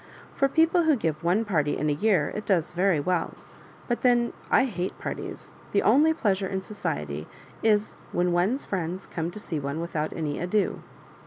For people who give one party in the year it does very well — but then 1 hate parties ; the only pleasure in society is, when one's friends come to see one without any ado."